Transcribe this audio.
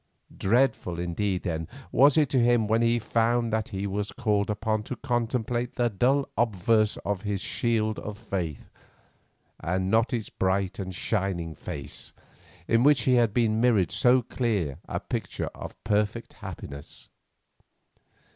Dreadful indeed, then, was it to him when he found that he was called upon to contemplate the dull obverse of his shield of faith, and not its bright and shining face, in which he had seen mirrored so clear a picture of perfect happiness.